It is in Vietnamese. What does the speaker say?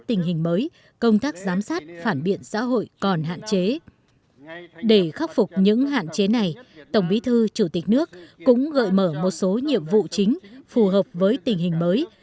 trong cuộc đời này tổng bí thư chủ tịch nước cũng gợi mở một số nhiệm vụ chính phù hợp với tình hình mới